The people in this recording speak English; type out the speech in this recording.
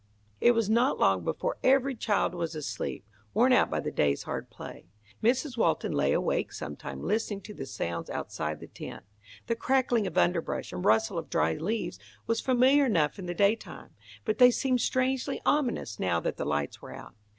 It was not long before every child was asleep, worn out by the day's hard play. Mrs. Walton lay awake sometime listening to the sounds outside the tent. The crackling of underbrush and rustle of dry leaves was familiar enough in the daytime, but they seemed strangely ominous now that the lights were out.